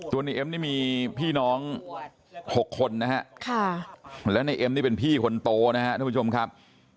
ตัวในเอมนี่มีพี่น้อง๖คนและในเอมเป็นพี่คนโตนะครับ